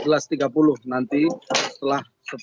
setelah sebuah perjalanan